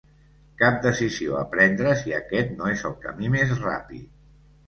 Cap decisió a prendre si aquest no és el camí més ràpid.